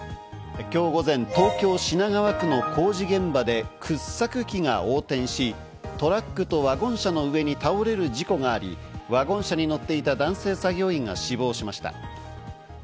今日午前、東京・品川区の工事現場で掘削機が横転し、トラックとワゴン車の上に倒れる事故があり、ワゴン車に乗っていた男性作業員が死亡しました。